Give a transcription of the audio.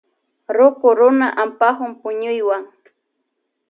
Ruku runa ampakun puñuywan.